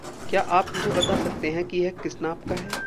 क्या आप मुझे बता सकते हैं कि यह किस नाप का है?